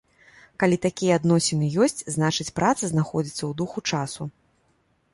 Калі такія адносіны ёсць, значыць, праца знаходзіцца ў духу часу.